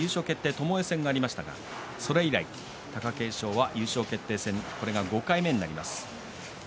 ともえ戦がありましたがそれ以来、貴景勝は優勝決定戦これが５回目になります。